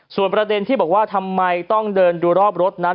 ส่วนประเด็นที่บอกว่าทำไมต้องเดินดูรอบรถนั้น